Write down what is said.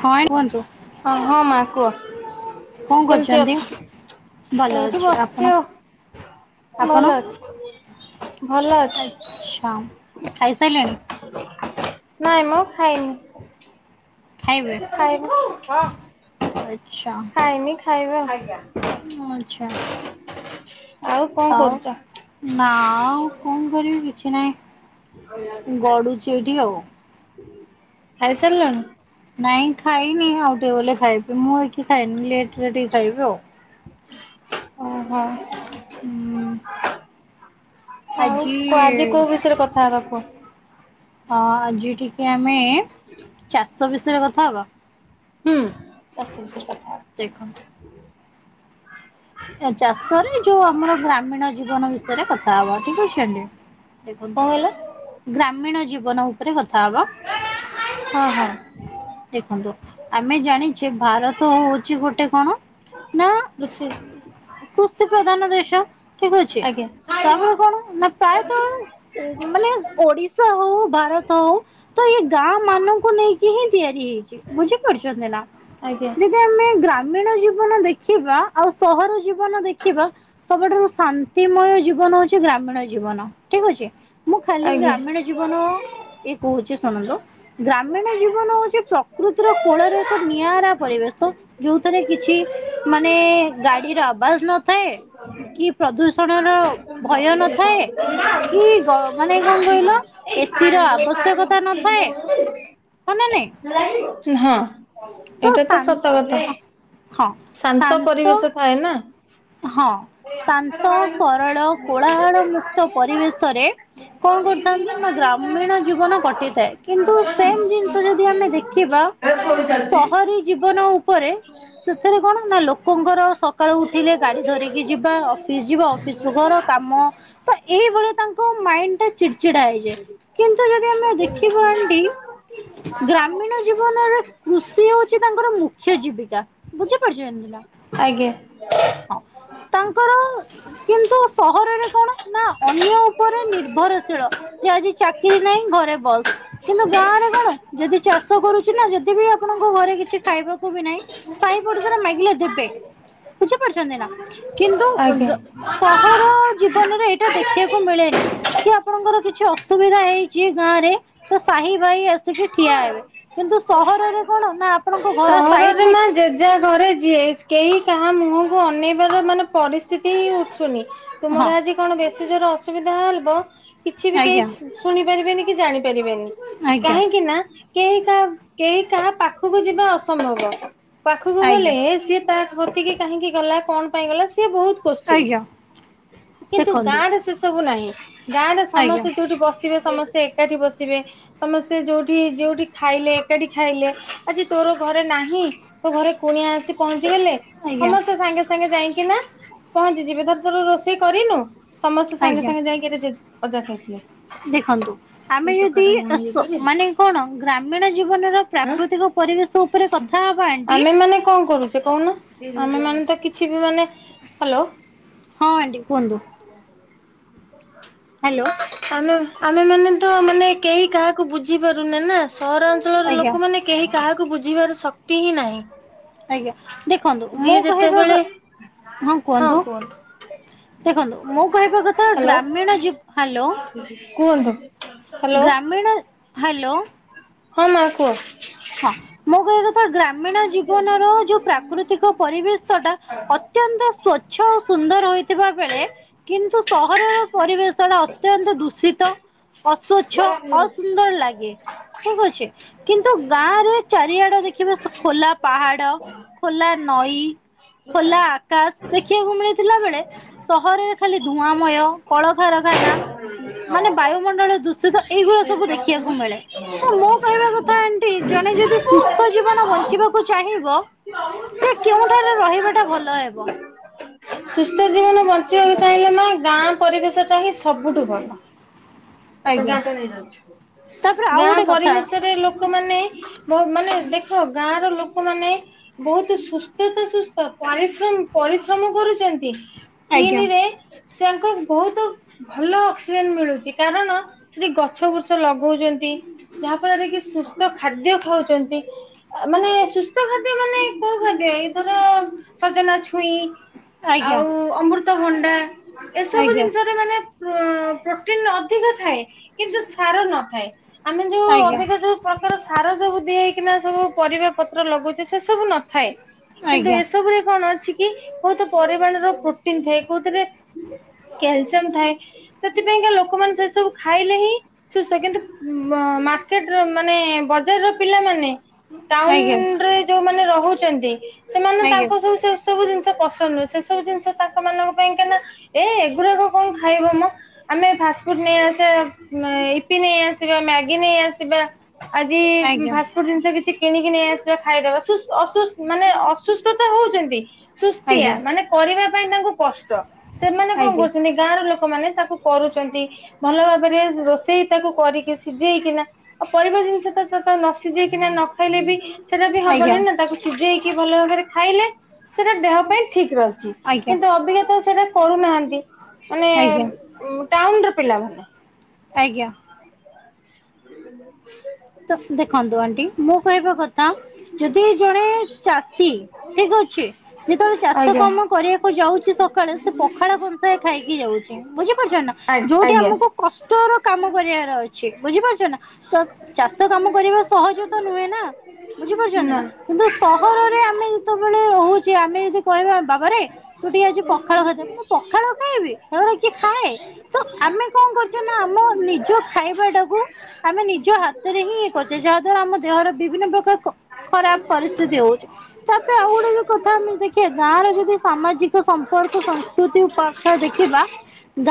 ହଁ କୁହନ୍ତୁ ଅ ହଁ ମା କୁହ। କଣ କେମିତି କରୁଛନ୍ତି? ଅଛ ଭଲ ଏଇଠି ଅଛି ଆପଣ ବସିଛି ଆଉ। ଆପଣ? ଭଲ ଅଛି ଭଲ ଅଛି। ଆଚ୍ଛା ଖାଇସାରିଲେଣି ନାଇଁ ମ ଖାଇନି। ଖାଇବେ [unintelligible] ହଁ। ଆଚ୍ଛା ଖାଇନି ଖାଇବା ଆଚ୍ଛା [unintelligible] ଆଉ କଣ କରୁଛ? ନା କଣ କରିବି କିଛି ନାହିଁ ଗଡୁ଼ଚି ଏଇଠି ଆଉ। ଖାଇସାରିଲଣି? ନାଇଁ ଖାଇନି ଆଉ ଟିକେ ଗଲେ ଖାଇବି ମୁଁ ଏଠି ଖାଇନି ଲେଟ୍ ରେ ଟିକେ ଖାଇବି ଆଉ। ଓ ହୋ। ହୁଁ ଆଉ ଆଜି ଆଜି କୋଉ ବିଷୟରେ କଥାହେବା କୁୁହ। ହଁ ଆଜି ଟିକେ ଆମେ ଚାଷ ବିଷୟରେ କଥା ହବା। ହୁଁ [unintelligible] ଦେଖନ୍ତୁ। ଏ ଚାଷରେ ଯୋଉ ଆମର ଗ୍ରାମୀଣ ଜୀବନ ବିଷୟରେ କଥା ହବା ଠିକ୍ ଅଛି ଆଜ୍ଞା। କଣ କହିଲ ଦେଖନ୍ତୁ ଗ୍ରାମୀଣ ଜୀବନ ଉପରେ କଥା ହବା। ହଁ ହଁ। ଦେଖନ୍ତୁ ଆମେ ଜାଣିଛେ ଭାରତ ହଉଛି ଗୋଟେ କଣ ନା କୃଷି କୃଷି ପ୍ରଧାନ ଦେଶ ଠିକ୍ ଅଛି ଆଜ୍ଞା ତାପରେ କଣ ନା ପ୍ରାୟତଃ ମାନେ ଓଡ଼ିଶା ହଉ ଭାରତ ହଉ ତ ଏଇ ଗାଁ ମାନଙ୍କୁ ନେଇକି ହିଁ ତିଆରି ହେଇଛି ବୁଝିପାରୁଛନ୍ତି ନା। ଆଜ୍ଞା ଯଦି ଆମେ ଗ୍ରାମୀଣ ଜୀବନ ଦେଖିବା ଆଉ ସହର ଜୀବନ ଦେଖିବା। ସବୁଠାରୁ ଶାନ୍ତିମୟ ଜୀବନ ହଉଛି ଗ୍ରାମୀଣ ଜୀବନ। ଠିକ୍ ଅଛି ମୁଁ ଖାଲି ଆଜ୍ଞା ଗ୍ରାମୀଣ ଜୀବନ ଏ କହୁଛି ଶୁଣନ୍ତୁ ଗ୍ରାମୀଣ ଜୀବନ ହଉ ପ୍ରକୃତିର କୋଳରେ ଏକ ନିଆରା ପରିବେଶ ଯୋଉଥିରେ କିଛି ମାନେ ଗାଡ଼ିର ଆବାଜ ନଥାଏ କି ପ୍ରଦୂଷଣର ଭୟ ନଥାଏ। କି ଗ ମାନେ କଣ [unintelligible] କହିଲ ଏସି ର ଆବଶ୍ୟକତା ନଥାଏ। [inaudible] ହଁ ନା ନାଇଁ। ହଁ। ଏଟା ତ ସତ କଥା। ଶାନ୍ତ ପରିବେଶ ଥାଏ ନା। ହଁ। ଶାନ୍ତ, ସରଳ, କୋଳାହାଳ ମୁକ୍ତ ପରିବେଶରେ କଣ କରୁ ଥାନ୍ତି ନା ଗ୍ରାମୀଣ ଜୀବନ କଟିଥାଏ। କିନ୍ତୁ ସେମ୍ ଜିନିଷ ଯଦି ଯଦି ଆମେ ଦେଖିବା, ସହରୀ ଜୀବନ ଉପରେ ସେଥିରେ କଣ ନା ଲୋକଙ୍କର ସକାଳୁ ଉଠ ଉଠିଲେ ଗାଡି ଧରିକି ଯିବା, ଅଫିସ ଯିବା। ଅଫିସରୁ ଘର କାମ ତ ଏଇଭଳିଆ ତାଙ୍କ ମାଇଣ୍ଡଟା ଚିଡ୍ ଚିଡା ହେଇଯାଏ। କିନ୍ତୁ ଯଦି ଆମେ ଦେଖିବା ଆଣ୍ଟି ଗ୍ରାମୀଣ ଜୀବନରେ କୃଷି ହଉଚି ତାଙ୍କର ମୁଖ୍ୟ ଜୀବିକା। ବୁଝିପାରୁଛନ୍ତି ନା? ଆଜ୍ଞା। ତାଙ୍କର କିନ୍ତୁ ସହରରେ କଣ ନା ଅନ୍ୟ ଉପରେ ନିର୍ଭରଶୀଳ। ଯେ ଆଜି ଚାକିରି ନାହିଁ ଘରେ ବସ୍। କିନ୍ତୁ ଗାଁ ରେ କଣ ଯଦି ଚାଷ କରୁଚି ନା ଯଦି ବି ଆପଣଙ୍କ ଘରେ କିଛି ଖାଇବାକୁ ବି ନାହିଁ ସାଇ ପଡ଼ିଶାରେ ମାଗିଲେ ଦେବେ। ବୁଝିପାରୁଛନ୍ତି ନା? କିନ୍ତୁ ଆଜ୍ଞା। ସହର ଜୀବନରେ ଏଇଟା ଦେଖିବାକୁ ମିଳେନି। କି ଆପଣଙ୍କର କିଛି ଅସୁବିଧା ହେଇଚି ଗାଁ ରେ ତ ସାହି ଭାଇ ଆସିକି ଠିଆ ହେବେ। କିନ୍ତୁ ସହରରେ କଣ ନା ଆପଣଙ୍କ ଘର ସହରରେ ସାଇଟ୍ ରେ ମା ଯେଝା ଘରେ ଯିଏ। କେହି କାହା ମୁହଁକୁ ଅନେଇବାର ମାନେ ପରିସ୍ଥିତି ହିଁ ଉଠୁନି। ତୁମର ହଁ ଆଜି କଣ ବେଶୀ ଜୋରେ ଅସୁବିଧା ହେବ, କିଛି ବି କେହି ଆଜ୍ଞା ଶୁଣି ପାରିବେନି କି ଜାଣିପାରିବେନି। ଆଜ୍ଞା କାହିଁକି ନା କେହି କାହା କେହି କାହା ପାଖକୁ ଯିବା ଅସମ୍ଭବ। ପାଖକୁ ଆଜ୍ଞା। ଗଲେ ସିଏ ତା କତିକି କାହିଁକି ଗଲା କଣ ପାଇଁ ଗଲା ସିଏ ବହୁତ୍ କୋଶ୍ଚିନ୍। ଆଜ୍ଞା କିନ୍ତୁ ଦେଖନ୍ତୁ ଗାଁ ରେ ସେ ସବୁ ନାହିଁ। ଗାଁ ରେ ଆଜ୍ଞା ସମସ୍ତେ ଯୋଉଠି ବସ୍ ବସିଥିବେ ସମସ୍ତେ ଏକାଠି ବସିବେ। ସମସ୍ତେ ଯୋଉଠି ଯୋଉଠି ଖାଇଲେ ଏକାଠି ଖାଇଲେ। ଆଜି ତୋର ଘରେ ନାହିଁ ତୋ ଘରେ କୁଣିଆ ଆସି ପହଞ୍ଚିଗଲେ ଆଜ୍ଞା ସମସ୍ତେ ସାଙ୍ଗେ ସାଙ୍ଗେ ଯାଇକିନା ପହଞ୍ଚିଯିବେ। ଧର ତୋର ରୋଷେଇ କରିନୁ ସମସ୍ତେ ସାଙ୍ଗେ ଆଜ୍ଞା ସାଙ୍ଗେ ଯାଇକିରି ପଚାରି ଦେଇଥିବେ। ଦେଖନ୍ତୁ ଆମେ ଯଦି ମାନେ କଣ ଗ୍ରାମୀଣ ଜୀବନର ହଁ ପ୍ରାକୃତିକ ପରିବେଶ ଉପରେ କ କଥା ହବା ଆଣ୍ଟି ଆମେ ମାନେ କଣ କରୁଚେ କହୁନ। ଆମେ ମାନେ ତ କିଛି ବି ମାନେ, ହାଲୋ। ହଁ ଆଣ୍ଟି କୁହନ୍ତୁ। ହାଲୋ। ଆମେ ଆମେ ମାନେ ତ ମାନେ କେହି କାହାକୁ ବୁଝିପାରୁନେ ନା। ସହର ଅ ଞ୍ଚଳର ଆଜ୍ଞା ଲୋକମାନେ କେହି କାହାକୁ ବୁଝିବାର ଶକ୍ତି ହିଁ ନାହିଁ। ଆଜ୍ଞା। ଦେଖନ୍ତୁ ମୁଁ ଯିଏ କହିବା ଯେତେବେଳେ କ ହଁ କୁହନ୍ତୁ। ଦେଖନ୍ତୁ ମୁଁ କହିବା କଥା ହ୍ୟାଲୋ ଗ୍ରାମୀଣ ଜି ହାଲୋ। କୁହନ୍ତୁ। ଗ୍ରାମୀଣ ହାଲୋ। ହଁ ମା କୁହ। ହଁ ମୁଁ କହିବା କଥା ଗ୍ରାମୀଣ ଜୀବନର ଯୋଉ ପ୍ରାକୃତିକ ପରିବେଶ ଟା ଅତ୍ୟନ୍ତ ସ୍ଵଚ୍ଛ ଓ ସୁନ୍ଦର ହୋଇଥିବା ବେଳେ କିନ୍ତୁ ସହରର ପରିବେଶ ଟା ଅତ୍ୟନ୍ତ ଦୂଷିତ, ଅସ୍ଵଚ୍ଛ ଅସ ଅସୁନ୍ଦର ଲାଗେ। ଠିକ୍ ଅଛି। କିନ୍ତୁ ଗାଁରେ ଚାରିଆଡ ଦେ ଖିବା ଖୋଲା ପାହାଡ, ଖୋଲା ନଈ ଖୋଲା ଆକାଶ ଦେଖିବାକୁ ମିଳିଥିଲା ବେଳେ। ସହରରେ ଖାଲି ଧୂଆଁମୟ କଳକାରାଖାନା। ମାନେ ବାୟୁମଣ୍ଡଳ ଦୂଷିତ ଏଇଗୁଡା ସବୁ ଦେଖିବାକୁ ମିଳେ ତ ମୁଁ କହିବା କଥା ଆଣ୍ଟି ଜଣେ ଯଦି ସୁ ସୁସ୍ଥ ଜୀବନ ବଞ୍ଚିବାକୁ ଚାହିଁବ ସେ କେଉଁଠାରେ ରହିବାଟା ଭଲ ହେବ। ସୁସ୍ଥ ଜୀବନ ବଞ୍ଚିବାକୁ ଚାହିଁଲେ ମା ଗାଁ ପରିବେଶ ଟା ହିଁ ସବୁଠୁ ଭଲ। ଆଜ୍ଞା ତାପରେ ଆଉ ଗାଁ ଗୋଟେ କଥା ପରିବେଶରେ ଲୋ ଲୋକମାନ ବହୁ ମାନେ ଦେଖ ଗାଁ ର ଲୋକମାନେ ବହୁତ ସୁସ୍ଥ ତ ସୁସ୍ଥ ପରିଶ୍ରମ ପରିଶ୍ରମ କରୁଛନ୍ତି। ଆଜ୍ଞା ତିନିରେ ସେଙ୍କ ବହୁତ ଭଲ ଅକ୍ସିଜେନ ମିଳୁଛି। କାରଣ ସେଠି ଗଛ ବୃଛ ଲଗଉଛନ୍ତି। ଯାହାଫଳରେ କି ସୁସ୍ଥ ଖାଦ୍ୟ ଖାଉଛନ୍ତି। ମାନେ ସୁସ୍ଥ ଖାଦ୍ୟ ମାନେ କଉ ଖାଦ୍ୟ ଏଇଥର ସଜନା ଛୁଇଁ ଆଜ୍ଞା ଆଉ ଅମୃତଭଣ୍ଡା ଏସବୁ ଆଜ୍ଞା ଜିନିଷରେ ମାନେ ପ୍ରୋ ପ୍ରୋଟିନ ଅଧିକ ଥାଏ କିନ୍ତୁ ସାର ନଥାଏ ଆମେ ଯୋଉ ଆଜ୍ଞା ଅବିକା ଯଉ ପ୍ରକାର ସାର ସବୁ ଦିଆ ହେଇକିନା ସବୁ ପରିବା ପତ୍ର ଲଗୋଉଛେ ସେ ସବୁ ନଥାଏ। କିନ୍ତୁ ଆଜ୍ଞା ଏସବୁରେ କଣ ଅଛି କି ବହୁତ ପରିମାଣର ପ୍ରୋଟିନ ଥାଏ କୋଉଥିରେ। କ୍ୟାଲସିୟମ ଥାଏ ସେଥିପାଇଁକା ଲୋକମାନେ ସେ ସବୁ ଖାଇଲେ ହିଁ ସୁସ୍ଥ କିନ୍ତୁ ମାର୍କେଟର ମାନେ ବଜାରର ପିଲାମାନେ ଆଜ୍ଞା ଟାଉନରେ ଯଉମାନେ ରହୁଛନ୍ତି ସେମାନେ ଆଜ୍ଞା। ତାଙ୍କୁ ସବୁ ସେସବୁ ଜିନଷ ପସନ୍ଦ ନୁହଁ ସେ ସବୁ ଜିନିଷ ତାଙ୍କ ମାନଙ୍କ ପାଇଁ କା ନା। ଏଇ ଏଗୁଡାକ କଣ ଖାଇବ ମ ଆମେ ଫା ଫାଷ୍ଟଫୁଡ ନେଇ ଆସିବା ଅ ଇପି ନେଇ ଆସିବା ମ୍ୟାଗି ନେଇ ଆସିବା ଆଜି ଆଜ୍ଞା ଫାଷ୍ଟ ଫାଷ୍ଟଫୁଡ ଜିନିଷ କିଛି କିଣିକି ନେଇ ଆସିବା ଖାଇଦବା ଅସୁସ୍ଥ ଅସୁସ୍ଥ ମାନେ ଅସୁସ୍ଥତା ହଉଛନ୍ତି। ସୁସ୍ଥିଆ ଆଜ୍ଞା ମାନେ କରିବା ପାଇଁ ତାଙ୍କୁ କଷ୍ଟ ସେମାନେ କଣ ଆଜ୍ଞା କରୁଛନ୍ତି। ଗାଁର ଲୋକମାନେ ତାକୁ କରୁଛନ୍ତି ଭଲ ଭାବରେ ରୋଷେଇ ତାକୁ କରିକି ସିଝେଇକିନା ଆଉ ପରିବା ଜିନିଷ ତ ତେ ନସିଝେଇକିନା ନ ଖାଇଲେ ବି ସେଇଟା ବି ଆଜ୍ଞା ଆଜ୍ଞା ହବନି ନା ତାକୁ ସିଝେଇକି ଭଲ ଭାବରେ ଖାଇଲେ ସେଟା ଦେହ ପାଇଁ ଠିକ ରହି କିନ୍ତୁ ଅବିକା ତ ସେଇଟା କରୁନାହାନ୍ତି ମାନେ ଆଜ୍ଞା ଟାଉନ ର ପିଲାମାନେ ଆଜ୍ଞା। [unintelligible] ତ ଦେଖନ୍ତୁ ଆଣ୍ଟି ମୁଁ କହିବା କଥା ଯଦି ଜଣେ ଚାଷୀ ଠିକ ଅଛି। ଯେତେବେଳେ ଚାଷ ଆଜ୍ଞା କାମ କରିବାକୁ ଯାଉଛି ସକାଳେ ସେ ପଖାଳ କଂସାଏ ଖାଇକି ଯାଉଛି। ବୁଝି ପାରୁଛ ନା ଯଉଠି ଆଜ୍ଞା ଆମକୁ କଷ୍ଟର କାମ କରିବାର ଅଛି ବୁଝିପାରୁଛ ନା ଚାଷ କାମ କରିବା ସହଜ ତ ନୁହେଁ ନା। ବୁଝିପାରୁଛନ୍ତି ନା କିନ୍ତୁ ସହରରେ ଆମେ ଯେତେବେଳେ ରହୁଛେ ଆମେ ଯଦି କହିବା ବାବାରେ ତୁ ଟିକେ ଆଜି ପଖାଳ ଖାଇଦେମ ମୁଁ ପଖାଳ ଖାଇବି ହେଗୁରା କି ଖାଏ, ତ ଆମେ କଣ କରୁଛୁ ନା ଆମ ନିଜ ଖାଇବା ଟାକୁ [unintelligible] ରେ ହିଁ ଏ କରିଛେ ଯାହା ଦ୍ଵାରା ଆମ ଦେହର ବିଭିନ୍ନ ପ୍ରକାର ଖ ଖରାପ ପରିସ୍ଥିତି ହଉଛି। ତାପରେ ଆଉ ଗୋଟେ [unintelligible] କଥା ଆମେ ଦେଖିବା ଗାଁର ଯଦି ସାମାଜିକ ସମ୍ପର୍କ ସଂସ୍କୃତି ଉ ପାଖ ଦେଖିବା ଗାଁ